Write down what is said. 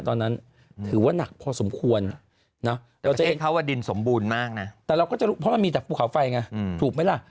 ตอนนั้นถือว่านักพอสมควรเราจะเห็นเขาว่าดินสมบูรณ์มากนะแต่เราก็จะรู้เพราะมันมีแต่ภูเขาไฟไงถูกไหมล่ะ